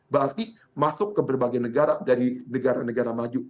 berarti masuk ke berbagai negara dari negara negara maju